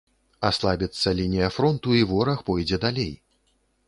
Аслабіцца лінія фронту і вораг пойдзе далей.